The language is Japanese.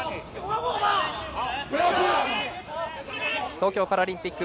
東京パラリンピック